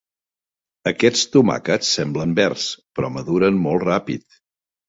Aquests tomàquets semblen verds, però maduren molt ràpid.